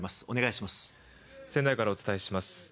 お願いします。